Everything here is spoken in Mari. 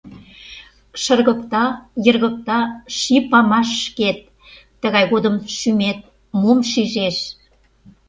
Шыргыкта, йыргыкта ший памаш шкет, Тыгай годым шӱмет мом шижеш?